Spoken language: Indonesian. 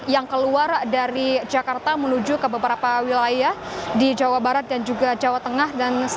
yang keluar dari jakarta menuju ke beberapa wilayah di jawa barat dan juga jawa tengah